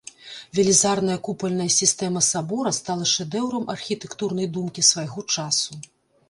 Велізарная купальная сістэма сабора стала шэдэўрам архітэктурнай думкі свайго часу.